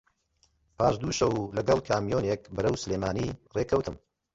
پاش دوو شەو لەگەڵ کامیۆنێک بەرەو سلێمانی ڕێ کەوتم